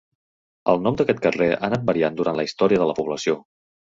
El nom d'aquest carrer ha anat variant durant la història de la població.